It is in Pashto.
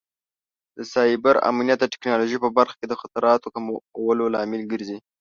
د سایبر امنیت د ټکنالوژۍ په برخه کې د خطراتو کمولو لامل ګرځي.